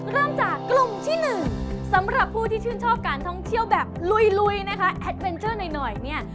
เริ่มจากกลุ่มที่หนึ่งสำหรับผู้ที่ชื่นชอบการท่องเที่ยวแบบลุยนะคะแอดเวนเจอร์หน่อยเนี่ย